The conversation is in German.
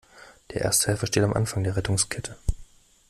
Der Ersthelfer steht am Anfang der Rettungskette.